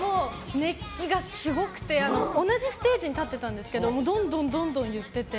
熱気がすごくて同じステージに立ってたんですけどドンドンドンドンいってて。